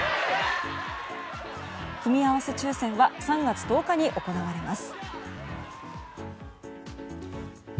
組み合わせ抽選は３月１０日に行われます。